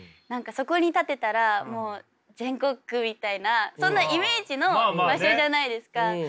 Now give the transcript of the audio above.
そこに立てたらもう全国区みたいなそんなイメージの場所じゃないですか。